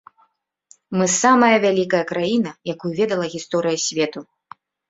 Мы самая вялікая краіна, якую ведала гісторыя свету.